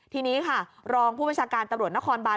ทีนี้ค่ะรองผู้บัญชาการตำรวจนครบาน